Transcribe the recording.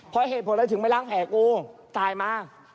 เพราะเหตุผลอะไรถึงไปล้างแผลกูตายมา